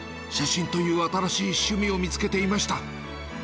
写真という新しい趣味を見つけていました。